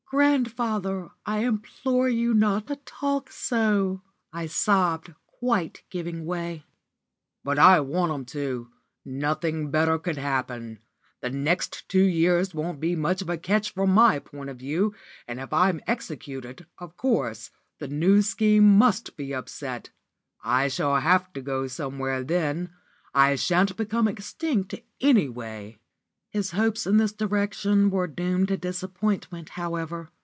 "Grandfather, I implore you not to talk so," I sobbed, quite giving way. "But I want 'em to. Nothing better could happen. The next two years won't be much of a catch from my point of view; and if I'm executed, of course, the New Scheme must be upset. I shall have to go somewhere then; I shan't become extinct anyway." His hopes in this direction were doomed to disappointment, however.